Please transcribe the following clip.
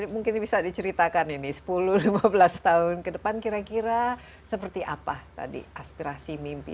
mungkin bisa diceritakan ini sepuluh lima belas tahun ke depan kira kira seperti apa tadi aspirasi mimpi